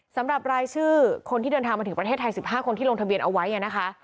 สำหรับรายชื่อคนที่เดินทางมาถึงประเทศไทย๑๕คนที่ลงทะเบียนเอาไว้นะคะ